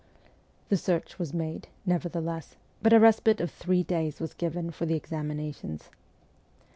The search was made, nevertheless, but a respite of three days was given for the examinations.